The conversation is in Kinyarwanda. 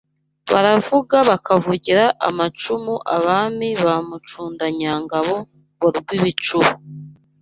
Baravuga bakavugira amacumu Abami ba Mucundanyangabo wa Rwibicuba